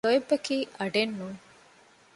ލޯތްބަކީ އަޑެއް ނޫން